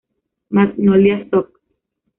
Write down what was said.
Magnolia Soc.